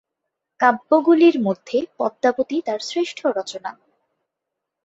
কাব্যগুলির মধ্যে পদ্মাবতী তাঁর শ্রেষ্ঠ রচনা।